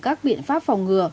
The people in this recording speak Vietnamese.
các biện pháp phòng ngừa